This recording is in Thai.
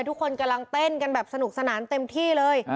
ทุกคนกำลังเต้นกันแบบสนุกสนานเต็มที่เลย